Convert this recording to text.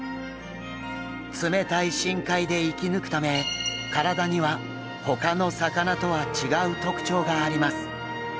冷たい深海で生き抜くため体にはほかの魚とは違う特徴があります。